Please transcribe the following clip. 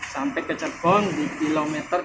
sampai ke cekbon di kilometer dua ratus dua